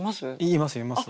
言います言います。